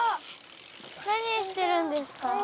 何してるんですか？